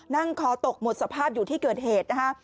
นั่งคอตกหมดสภาพอยู่ที่เกิดเหตุนะคะ